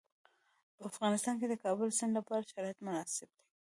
په افغانستان کې د کابل سیند لپاره شرایط مناسب دي.